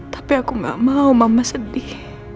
tapi aku gak mau mama sedih